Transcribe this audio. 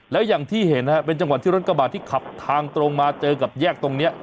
แล้วอย่างที่เห็นเป็นจังหวะที่รถกระบาดที่ขับทางตรงมาเจอกับแยกตรงนี้